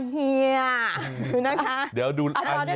พี่เรียนะคะ